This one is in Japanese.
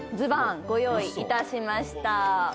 ご用意いたしました